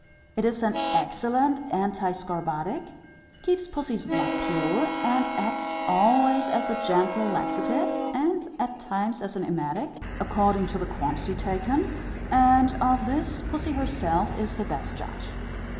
It is an excellent anti scorbutic, keeps pussy's blood pure, and acts always as a gentle laxative, and at times as an emetic, according to the quantity taken, and of this pussy herself is the best judge.